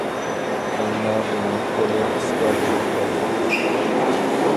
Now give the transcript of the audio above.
ئەمما ئۇنىڭ قولى قىسقا بولۇپ قالدى.